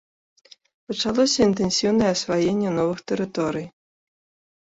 Пачалося інтэнсіўнае асваенне новых тэрыторый.